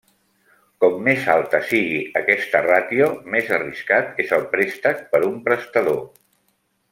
Com més alta sigui aquesta ràtio, més arriscat és el préstec per un prestador.